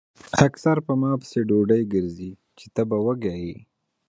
اکثر پۀ ما پسې ډوډۍ ګرځئ چې تۀ به وږے ئې ـ